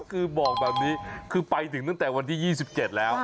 คือบอกแบบนี้คือไปถึงตั้งแต่วันที่๒๗แล้ว